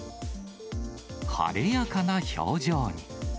晴れやかな表情に。